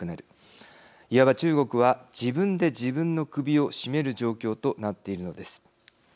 いわば中国は自分で自分の首を絞める状況となっているのです。